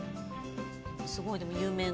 すごい、でも有名な。